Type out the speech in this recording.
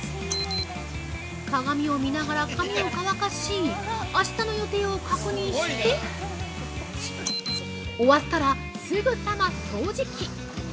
鏡を見ながら髪を乾かしあしたの予定を確認して終わったらすぐさま掃除機。